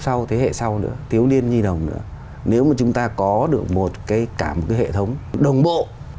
sau thế hệ sau nữa thiếu niên nhi đồng nữa nếu mà chúng ta có được một cái cả một cái hệ thống đồng bộ